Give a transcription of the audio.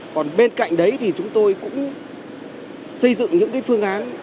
còn bên cạnh đấy thì chúng tôi cũng xây dựng những phương án